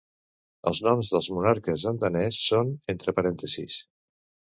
Els noms dels monarques en danès són entre parèntesis.